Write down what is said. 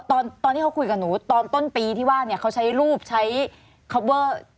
ตอนที่เขาคุยกับหนูตอนต้นปีที่ว่าเนี่ยเขาใช้รูปใช้คอปเวอร์